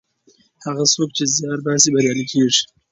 هغه څوک چې زیار باسي بریالی کیږي.